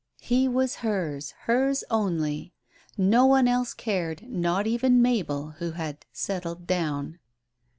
He was hers— hers only. No one else cared, not even Mabel, who had "settled down."